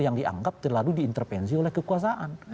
yang dianggap terlalu diintervensi oleh kekuasaan